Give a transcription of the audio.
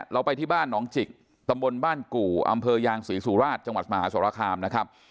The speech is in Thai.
ไปที่บ้านหนองจิกตำบลบ้านกู่อำเภอยางศรีสุราชจังหวัดมหาสรคามนะครับ